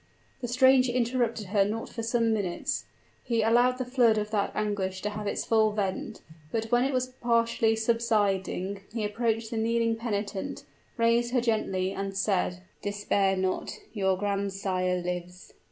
The stranger interrupted her not for some minutes: he allowed the flood of that anguish to have its full vent: but when it was partially subsiding he approached the kneeling penitent, raised her gently, and said, "Despair not! your grandsire lives."